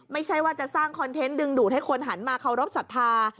ไม่ใช่ว่าจะสร้างคอนเทนต์ดึงดูดให้คนหันมาเคารพสัทธา